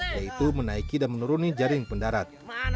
yaitu menaiki dan menuruni jaring pendarat